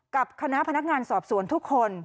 กับคณะพนักงานสอบสวนทุกคน